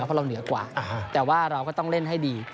เพราะเราเหนือกว่าแต่ว่าเราก็ต้องเล่นให้ดี